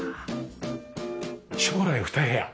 将来２部屋？